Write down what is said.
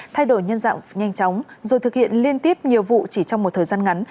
thay đổi nhân dạng nhanh chóng rồi thực hiện liên tiếp nhiều vụ chỉ trong một thời gian ngắn